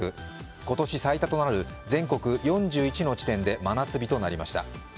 今年最多となる全国４１の地点で真夏日となりました。